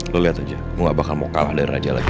lo lihat aja gue gak bakal mau kalah dari raja lagi